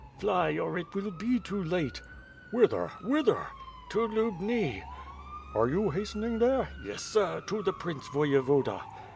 "Fly, or it will be too late.'' "Whither? Whither?" "To Lubni." "Are you hastening there?" "Y<^6, sir; to the Prince Voyevoda."